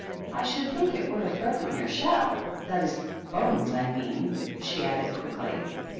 "I should think it would have broken your shell, — ^that is, boneSy I mean," she added, quickly.